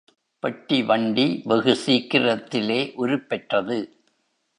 பெட்டிவண்டி வெகு சீக்கிரத்திலே உருப்பெற்றது.